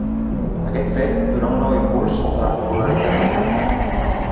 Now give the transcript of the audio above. Aquest fet donà un nou impuls a la popularitat del cantant.